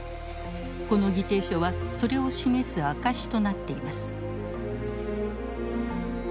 この議定書はそれを示す証しとなっています。